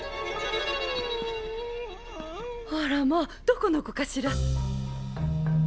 あらまあどこの子かしら？